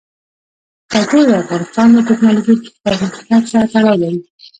کلتور د افغانستان د تکنالوژۍ پرمختګ سره تړاو لري.